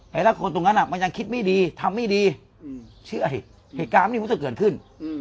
แต่ละคนตรงนั้นมันยังคิดไม่ดีทำไม่ดีเชื่อสิเหตุการณ์นี้คงจะเกิดขึ้น